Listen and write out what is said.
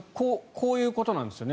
こういうことなんですよね。